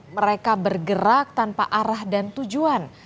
mereka bergerak tanpa arah dan tujuan